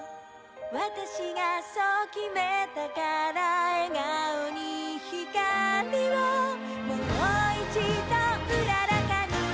「わたしがそう決めたから」「笑顔にひかりをもう一度うららかに」